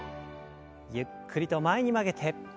ゆっくりと前に曲げて。